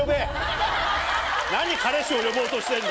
何彼氏を呼ぼうとしてんだ。